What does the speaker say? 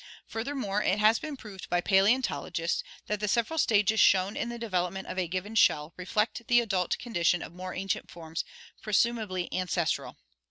Furthermore, it has been proved by paleontologists that the several stages shown in the development of a given shell reflect the adult condition of more ancient forms, presumably an cestral.